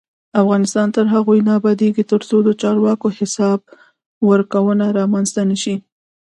افغانستان تر هغو نه ابادیږي، ترڅو د چارواکو حساب ورکونه رامنځته نشي.